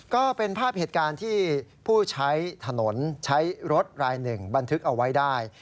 ก็เป็นภาพเหตุการณ์ที่ผู้ใช้ถนนใช้รถรายหนึ่งบันทึกเอาไว้ได้